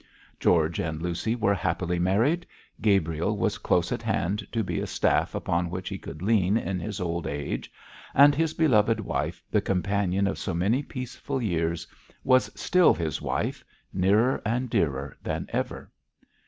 George and Lucy were happily married; Gabriel was close at hand to be a staff upon which he could lean in his old age; and his beloved wife, the companion of so many peaceful years, was still his wife, nearer and dearer than ever.